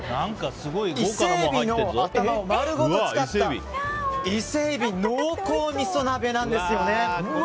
伊勢海老の頭を丸ごと使った伊勢海老濃厚みそ鍋なんです。